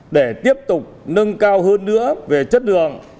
để tiếp tục nâng cao hơn nữa về chất lượng